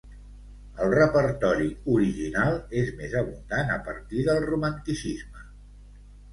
El repertori original és més abundant a partir del Romanticisme.